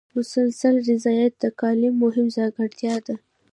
مسلسل ریاضت د کالم مهمه ځانګړنه ده.